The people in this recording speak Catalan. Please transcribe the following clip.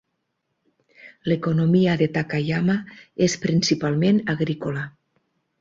L'economia de Takayama és principalment agrícola.